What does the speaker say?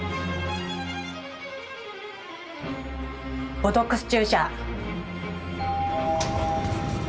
ボトックス注射。